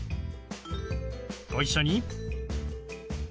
ご一緒に。